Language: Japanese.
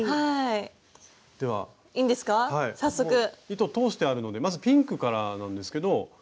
糸通してあるのでまずピンクからなんですけど。